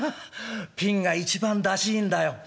ピンが一番出しいいんだよ」。